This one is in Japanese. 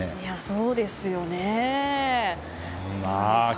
そうですよね。